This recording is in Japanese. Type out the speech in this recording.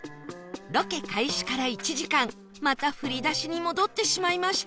ロケ開始から１時間また振り出しに戻ってしまいました